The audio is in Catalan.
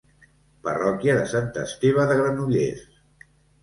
Parròquia de Sant Esteve de Granollers.